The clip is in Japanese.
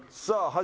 さあ